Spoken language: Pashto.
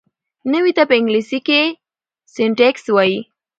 نحوي ته په انګلېسي کښي Syntax وایي.